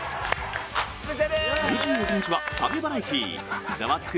２６日は旅バラエティー「ザワつく！